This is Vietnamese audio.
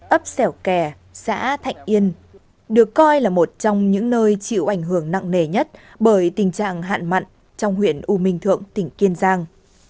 ấp xẻo kè xã thạnh yên được coi là một trong những nơi chịu ảnh hưởng nặng nề nhất bởi tình trạng hạn mặn trong huyện u minh thượng tỉnh kiên giang